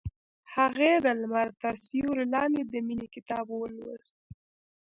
هغې د لمر تر سیوري لاندې د مینې کتاب ولوست.